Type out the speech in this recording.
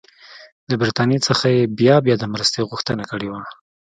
له برټانیې څخه یې بیا بیا د مرستې غوښتنه کړې وه.